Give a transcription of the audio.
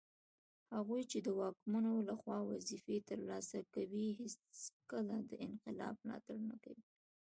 هغوی چي د واکمنو لخوا وظیفې ترلاسه کوي هیڅکله د انقلاب ملاتړ نه کوي